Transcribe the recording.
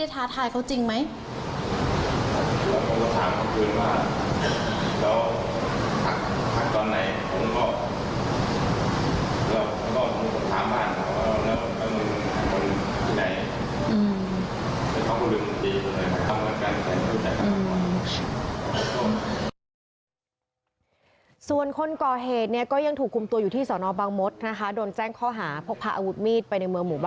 ถามบ้านของเราแล้วก็มึงหาคนที่ใด